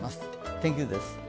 天気図です。